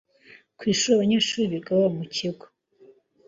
ku ishuri abanyeshuri biga baba mu kigo